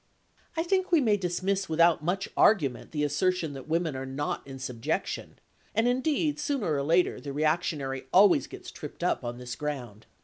I think we may dismiss without much argument the assertion that women are not in subjection, and indeed, sooner or later, the reactionary always gets tripped up on this ground.